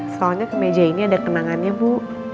soalnya ke meja ini ada kenangannya bu